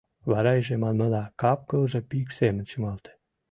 Вара иже, манмыла, кап-кылже пикш семын чымалте.